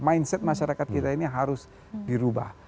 mindset masyarakat kita ini harus dirubah